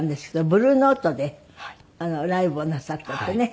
ブルーノートでライブをなさったってね。